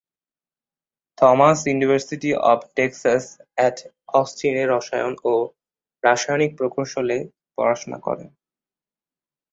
Thomas university of Texas at Austin এ রসায়ন ও রাসায়নিক প্রকৌশলে পড়াশোনা করেন।